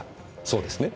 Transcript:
そうですね？